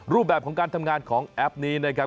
รูปแบบของการทำงานของแอปนี้นะครับ